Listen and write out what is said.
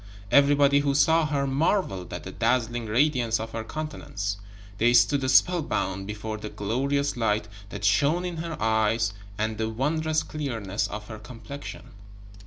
Everybody who saw her marveled at the dazzling radiance of her countenance; they stood spellbound before the glorious light that shone in her eyes and the wondrous clearness of her complexion.